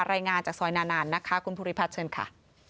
รายงานจากซอยนานานนะคะคุณภูริพัฒน์เชิญค่ะ